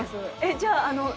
じゃあ。